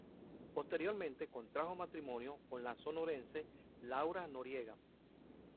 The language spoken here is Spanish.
Posteriormente contrajo matrimonio con la sonorense Laura Noriega.